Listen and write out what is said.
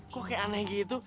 kok kayak aneh gitu